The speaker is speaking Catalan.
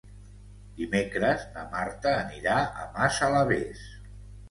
Dimecres na Marta anirà a Massalavés.